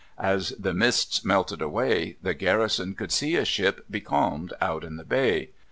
As the mists melted away, the garrison could see a ship becalmed out in the bay.